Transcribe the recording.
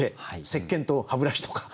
せっけんと歯ブラシとか。